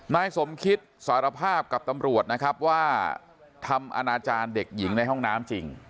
นายสมคิตสารภาพกับตำรวจนะครับว่าทำอนาจารย์เด็กหญิงในห้องน้ำจริง